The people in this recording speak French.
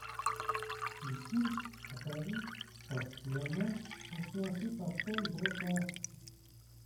Il fut, à Paris, particulièrement influencé par Paul Broca.